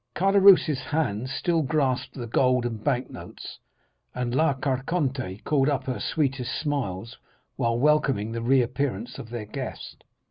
Caderousse's hands still grasped the gold and bank notes, and La Carconte called up her sweetest smiles while welcoming the reappearance of their guest.